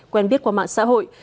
quen biết qua mạng xã hội